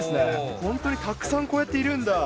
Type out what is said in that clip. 本当にたくさん、こうやっているんだ。